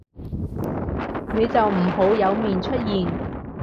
你就唔好有面出現